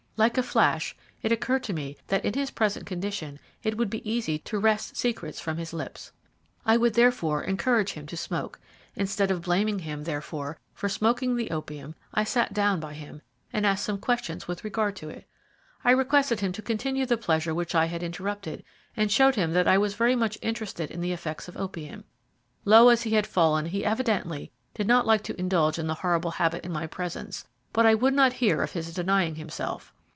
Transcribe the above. Like a flash it occurred to me that in his present condition it would be easy to wrest secrets from his lips. I would, therefore, encourage him to smoke. Instead of blaming him, therefore, for smoking the opium I sat down by him and asked some questions with regard to it. I requested him to continue the pleasure which I had interrupted, and showed him that I was much interested in the effects of opium. Low as he had fallen, he evidently did not like to indulge in the horrible habit in my presence; but I would not hear of his denying himself.